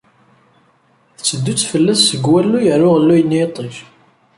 Tetteddu-tt fell-as seg walluy ar aɣelluy n yiṭij.